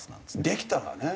できたらね。